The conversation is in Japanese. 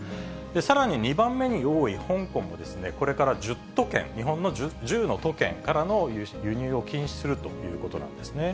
さらに２番目に多い香港もですね、これから１０都県、日本の１０の都県からの輸入を禁止するということなんですね。